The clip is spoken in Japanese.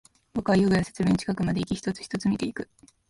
僕は遊具や設備の近くまでいき、一つ、一つ見ていく